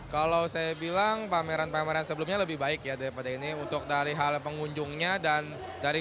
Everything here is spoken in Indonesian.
kalau saya bilang pameran pameran sebelumnya lebih baik daripada ini untuk dari hal pengunjungnya